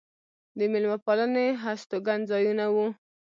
د مېلمه پالنې هستوګن ځایونه و.